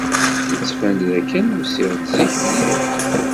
Yettban-d dakken usiɣ-d zik mliḥ.